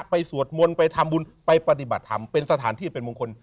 สวดมนต์ไปทำบุญไปปฏิบัติธรรมเป็นสถานที่เป็นมงคล